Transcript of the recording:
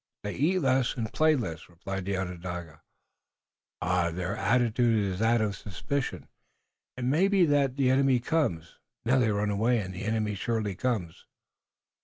"They eat less and play less," replied the Onondaga. "Ah, their attitude is that of suspicion! It may be that the enemy comes! Now they run away, and the enemy surely comes!"